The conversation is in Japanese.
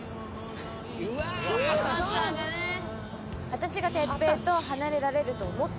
「私が哲平と離れられると思った？」